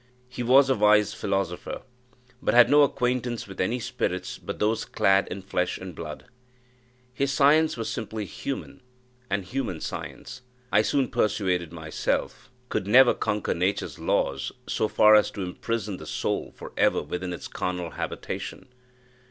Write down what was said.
He was a wise philosopher, but had no acquaintance with any spirits but those clad in flesh and blood. His science was simply human; and human science, I soon persuaded myself, could never conquer nature's laws so far as to imprison the soul for ever within its carnal habitation.